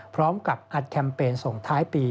พร้อมกับอัดแคมเปญส่งท้ายปี